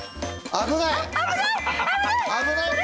危ないぞ！